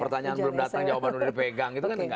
pertanyaan belum datang jawaban udah dipegang gitu kan enggak